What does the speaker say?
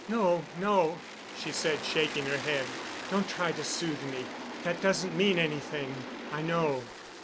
"No—no," she said shaking her head. "Don't try to soothe me. That doesn't mean anything. I know.